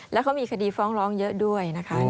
แล้วเขามีคดีฟ้องร้องเยอะด้วยนะคะ